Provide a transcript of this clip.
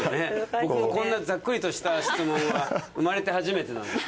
僕もこんなざっくりとした質問は生まれて初めてなので。